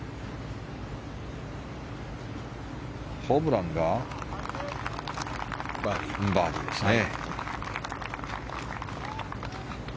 ホブランがバーディーですね。